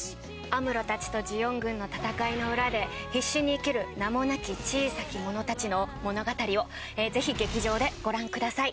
アムロたちとジオン軍の戦いの裏で必死に生きる名もなき小さき者たちの物語をぜひ劇場でご覧ください。